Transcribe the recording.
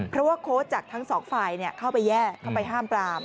เพราะว่าโค้ชจากทั้งสองฝ่ายเข้าไปแยกเข้าไปห้ามปราม